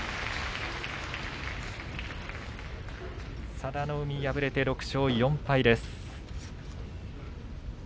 佐田の海、敗れて６勝４敗です。